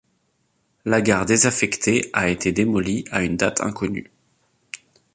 La gare désaffectée a été démolie à une date inconnue.